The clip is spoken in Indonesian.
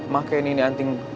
pake ini anting